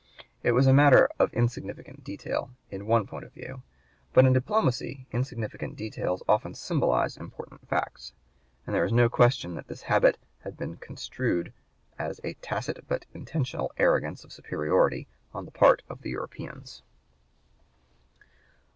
It was a matter of insignificant detail, in one point of view; but in diplomacy insignificant details often symbolize important facts, and there is no question that this habit had been construed as a tacit but intentional arrogance of superiority on the part of the Europeans.